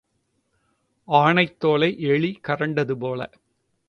ஆனைத் தோலை எலி கரண்டினது போல.